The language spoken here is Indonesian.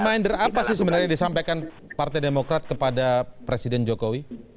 minder apa sih sebenarnya disampaikan partai demokrat kepada presiden jokowi